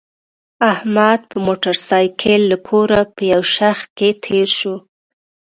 احمد په موټرسایکل له کوره په یو شخ کې تېر شو.